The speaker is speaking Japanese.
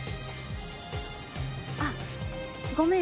あっごめん。